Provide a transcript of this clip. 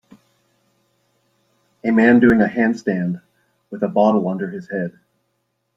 A man doing a handstand with a bottle under his head